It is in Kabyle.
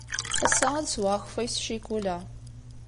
Ass-a, ad sweɣ akeffay s ccikula.